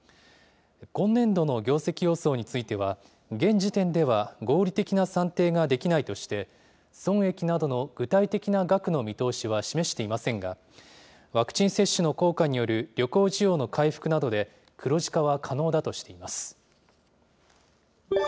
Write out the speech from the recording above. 今年度の業績予想については、現時点では合理的な算定ができないとして、損益などの具体的な額の見通しは示していませんが、ワクチン接種の効果による旅行需要の回復などで、黒字化は可能だとしています。